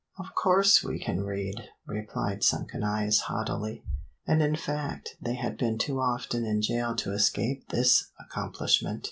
"Of course we can read," replied sunken eyes haughtily; and in fact they had been too often in jail to escape this accomplishment.